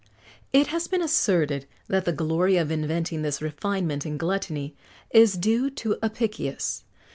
It has been asserted that the glory of inventing this refinement in gluttony is due to Apicius.